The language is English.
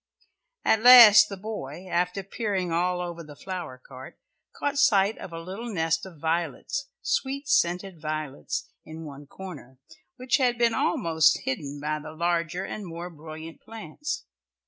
At last the boy, after peering all over the flower cart, caught sight of a little nest of violets sweet scented violets in one corner, which had been almost hidden by the larger and more brilliant plants.